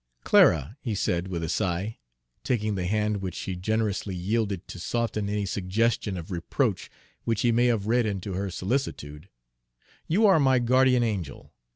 "Clara," he said with a sigh, taking the hand which she generously yielded to soften any suggestion of reproach which he may have read into her solicitude, "you are my guardian angel.